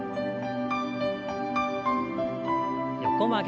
横曲げ。